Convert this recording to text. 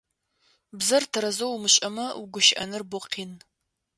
Бзэр тэрэзэу умышӏэмэ угущыӏэныр бо къин.